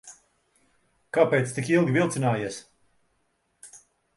Kāpēc tik ilgi vilcinājies?